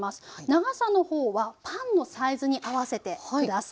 長さの方はパンのサイズに合わせて下さい。